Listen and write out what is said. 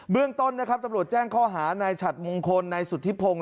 เรื่องต้นนะครับตำรวจแจ้งข้อหานายฉัดมงคลนายสุธิพงศ์